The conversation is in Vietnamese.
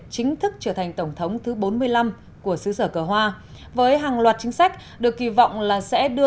chính thức trở thành tổng thống thứ bốn mươi năm của xứ sở cờ hoa với hàng loạt chính sách được kỳ vọng là sẽ đưa